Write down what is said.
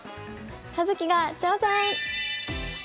「葉月が挑戦！」。